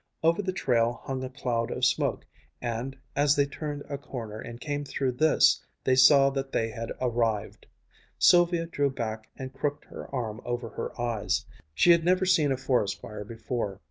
Over the trail hung a cloud of smoke, and, as they turned a corner and came through this, they saw that they had arrived. Sylvia drew back and crooked her arm over her eyes. She had never seen a forest fire before.